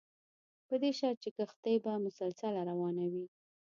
په دې شرط چې کښتۍ به مسلسله روانه وي.